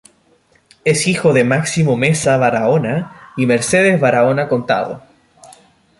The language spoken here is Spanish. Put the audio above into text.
Es hijo de Máximo Meza Barahona y Mercedes Barahona Contado.